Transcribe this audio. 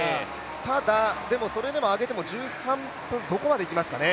ただ、それでも上げても、１３分どこまでいきますかね？